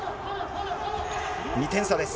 ２点差です。